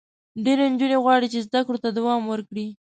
ډېری نجونې غواړي چې زده کړو ته دوام ورکړي.